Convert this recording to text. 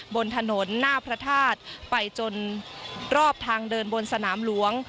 บนถนนหน้าพระธาตุไปจนรอบทางเดินบนสนามหลวง